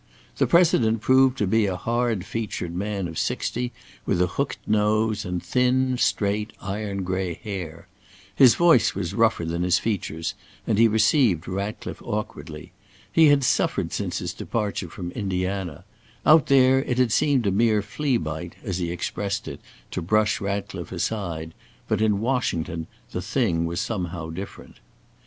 The President proved to be a hard featured man of sixty, with a hooked nose and thin, straight, iron gray hair. His voice was rougher than his features and he received Ratcliffe awkwardly. He had suffered since his departure from Indiana. Out there it had seemed a mere flea bite, as he expressed it, to brush Ratcliffe aside, but in Washington the thing was somehow different.